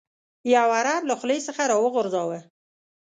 یو عرب له خولې څخه راوغورځاوه.